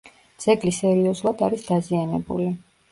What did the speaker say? ძეგლი სერიოზულად არის დაზიანებული.